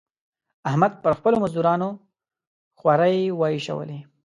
احمد پر خپلو مزدورانو خورۍ واېشولې.